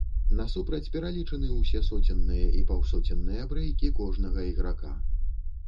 Насупраць пералічаны ўсе соценныя і паўсоценныя брэйкі кожнага іграка.